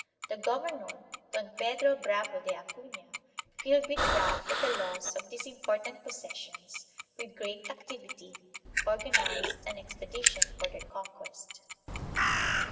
The governor, Don Pedro Bravo de Acuria, filled with wrath at the loss of these important possessions, with great activity organ ized an expedition for their conquest.